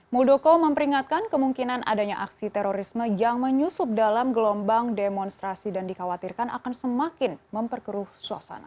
muldoko memperingatkan kemungkinan adanya aksi terorisme yang menyusup dalam gelombang demonstrasi dan dikhawatirkan akan semakin memperkeruh suasana